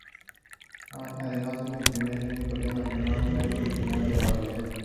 Es catedrático de la Universidad de La Laguna.